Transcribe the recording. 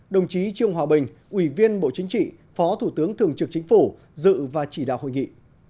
đồng chí trương hòa bình ủy viên bộ chính trị phó thủ tướng thường trực chính phủ dự và chỉ đạo hội nghị